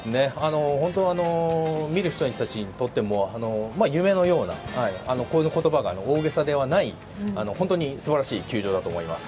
本当見る人たちにとっても夢のようなこの言葉が大げさではない本当に素晴らしい球場だと思います。